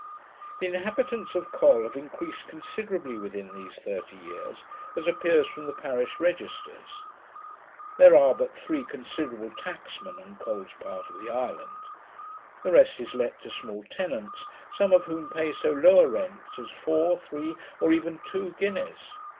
The inhabitants of Col have increased considerably within these thirty years, as appears from the parish registers. There are but three considerable tacksmen on Col's part of the island: the rest is let to small tenants, some of whom pay so low a rent as four, three, or even two guineas.